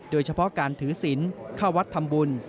โดยเฉพาะการถือศิลป์เข้าวัดทำบุญ